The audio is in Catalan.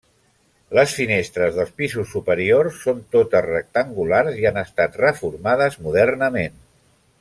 Les finestres dels pisos superiors són totes rectangulars i han estat reformades modernament.